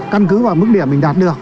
căn cứ vào mức điểm mình đạt được